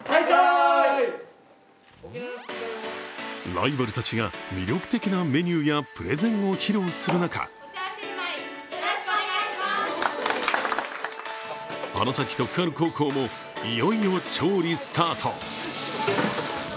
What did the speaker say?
ライバルたちが魅力的なメニューやプレゼンを披露する中花咲徳栄高校もいよいよ調理スタート。